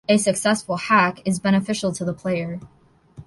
A successful hack is beneficial to the player.